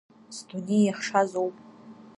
Сдунеи иахшазоуп.